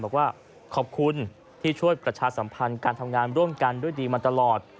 บอกว่าขอบคุณที่ช่วยประชาสัมพันธ์การทำงานร่วมกันด้วยดีมาตลอด